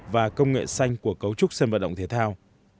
và công nghệ xanh của cấu trúc sân vận động thế thao